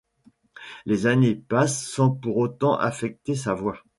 Les années passent sans pour autant affecter sa voix.